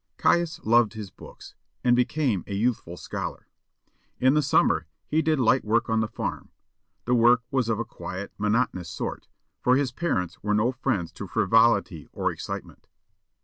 Caius loved his books, and became a youthful scholar. In the summer he did light work on the farm; the work was of a quiet, monotonous sort, for his parents were no friends to frivolity or excitement.